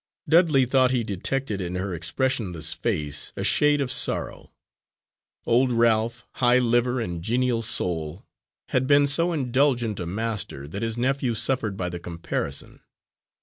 Dudley thought he detected in her expressionless face a shade of sorrow. Old Ralph, high liver and genial soul, had been so indulgent a master, that his nephew suffered by the comparison.